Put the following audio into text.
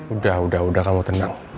udah udah udah kamu tenang